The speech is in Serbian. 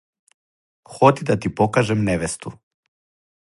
Ходи да ти покажем невесту